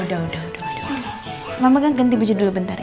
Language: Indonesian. udah udah udah mamah kan ganti baju dulu bentar ya